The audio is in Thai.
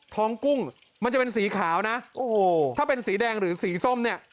กุ้งมันจะเป็นสีขาวนะโอ้โหถ้าเป็นสีแดงหรือสีส้มเนี่ย